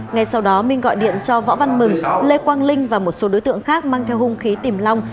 ngay sau đó minh gọi điện cho võ văn mừng lê quang linh và một số đối tượng khác mang theo hung khí tìm long